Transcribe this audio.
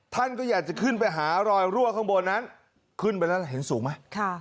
ท่านก็อยากจะขึ้นไปหารอยรั่วข้างบนนั้นขึ้นไปแล้วเห็นสูงไหม